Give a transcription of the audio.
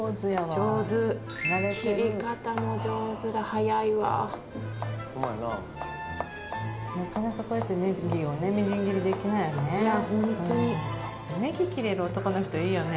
上手切り方も上手ではやいわなかなかこうやってネギをねみじん切りできないよね